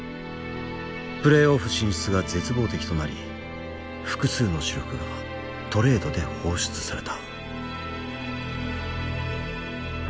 プレーオフ進出が絶望的となり複数の主力がトレードで放出された。